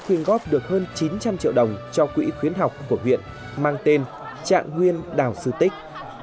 quyên góp được hơn chín trăm linh triệu đồng cho quỹ khuyến học của huyện mang tên trạng nguyên đào sư tích